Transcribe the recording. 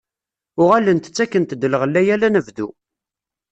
Uɣalent ttakent-d lɣella yal anebdu.